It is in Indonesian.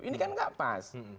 ini kan enggak pas